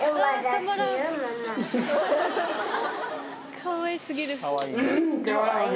かわい過ぎる。